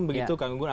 begitu kang gunggun